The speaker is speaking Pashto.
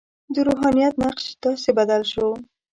د روحانیت نقش داسې بدل شو.